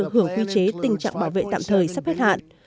hưởng quy chế tình trạng bảo vệ tạm thời sắp hết hạn